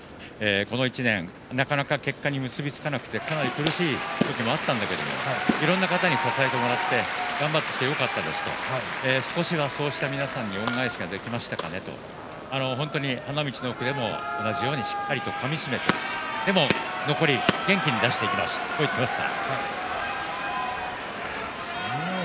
この１年、なかなか結果に結び付かなくて苦しい時もあったんだけどもいろんな方に支えられてもらって頑張ってよかったですと少しだけそういう人たちに恩返しできたかなと花道の奥でも同じようにしっかりとかみしめて残り元気を出していきますと話していました。